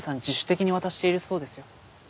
自主的に渡しているそうですよ。